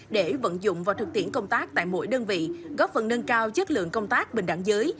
để vận dụng vào thực tiễn công tác tại mỗi đơn vị góp phần nâng cao chất lượng công tác bình đẳng giới